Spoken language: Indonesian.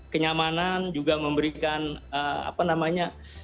kenyamanan juga memberikan